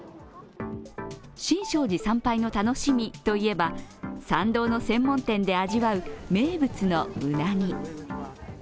新勝寺参拝の楽しみといえば参道の専門店で味わう名物のうなぎ。